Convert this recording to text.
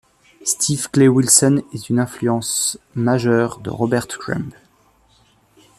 Steve Clay Wilson est une influence majeure de Robert Crumb.